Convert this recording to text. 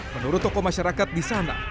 menurut tokoh masyarakat disana